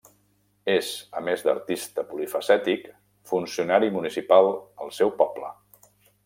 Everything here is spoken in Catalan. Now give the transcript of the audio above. És a més d'artista polifacètic, funcionari municipal al seu poble.